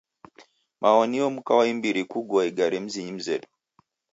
Mao nio mka wa imbiri kugua igare mzinyi mzedu.